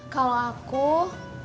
kalau aku mau